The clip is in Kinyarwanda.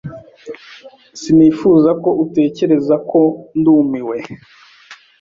Sinifuzaga ko utekereza ko ndumiwe.